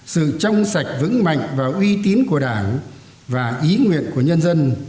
sự trong sạch vững mạnh và uy tín của đảng và ý nguyện của nhân dân